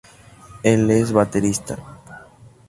Él es baterista.